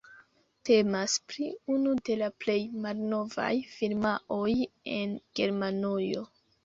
Temas pri unu de la plej malnovaj firmaoj en Germanujo.